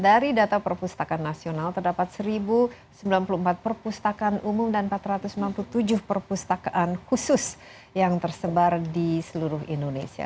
dari data perpustakaan nasional terdapat satu sembilan puluh empat perpustakaan umum dan empat ratus sembilan puluh tujuh perpustakaan khusus yang tersebar di seluruh indonesia